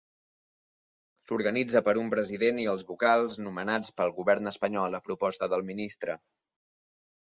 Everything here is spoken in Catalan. S'organitza per un President i els Vocals, nomenats pel govern espanyol a proposta del ministre.